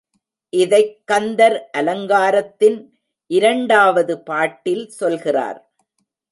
இதைக் கந்தர் அலங்காரத்தின் இரண்டாவது பாட்டில் சொல்கிறார்.